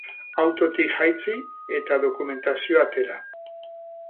Autotik jaitsi eta dokumentazioa atera.